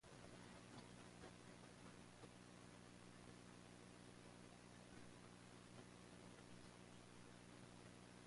She stayed with the hobby, and later lived with professional skateboarder Anthony Furlong.